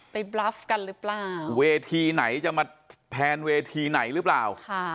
บรับกันหรือเปล่าเวทีไหนจะมาแทนเวทีไหนหรือเปล่า